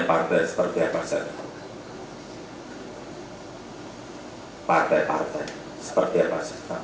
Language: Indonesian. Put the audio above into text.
partai partai seperti apa